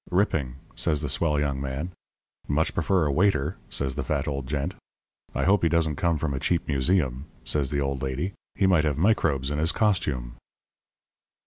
"'Ripping,' says the swell young man. 'Much prefer a waiter,' says the fat old gent. 'I hope he doesn't come from a cheap museum,' says the old lady; 'he might have microbes in his costume.'